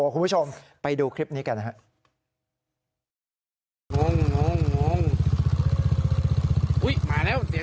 คุณผู้ชมไปดูคลิปนี้กันนะครับ